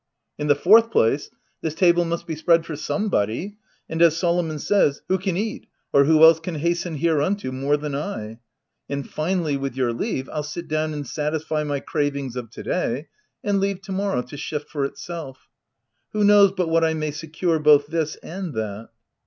in the fourth place, this table must be spread for somebody, and, as Solomon says, I Who can eat, or who else can hasten hereunto more than I?' and finally, with your leave, Pll sit down and satisfy my cravings of to day, and leave to morrow to shift for itself — who knows but what I may secure both this and that